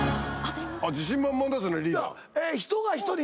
自信満々ですねリーダー。